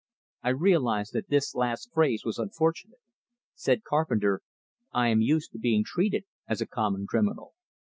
I realized that this last phrase was unfortunate. Said Carpenter: "I am used to being treated as a common criminal."